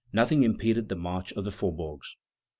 Nothing impeded the march of the faubourgs.